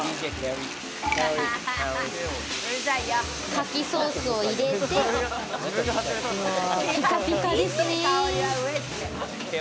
カキソースを入れて、テカテカですね。